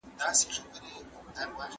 نړیوال عدالت د برابرۍ او ثبات لپاره اړین دی.